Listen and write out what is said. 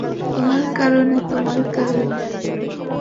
তোমার কারণে, তোমার কারণে।